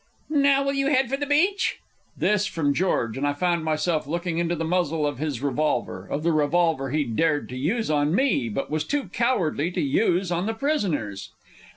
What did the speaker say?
"Now will you head for the beach?" This from George, and I found myself looking into the muzzle of his revolver of the revolver he dared to use on me, but was too cowardly to use on the prisoners.